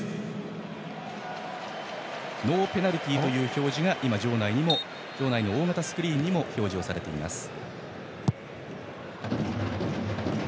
ノーペナルティーという表示が場内の大型スクリーンにも表示をされました。